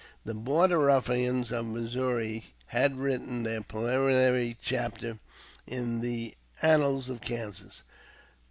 The "Border Ruffians" of Missouri had written their preliminary chapter in the annals of Kansas.